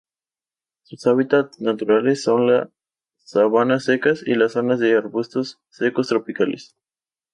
Sus hábitats naturales son las sabanas secas y las zonas de arbustos secos tropicales.